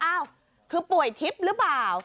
อ้าวคือป่วยทิพย์หรือเปล่า